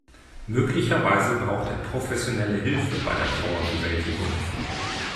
Möglicherweise braucht er professionelle Hilfe bei der Trauerbewältigung.